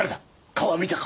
顔は見たか？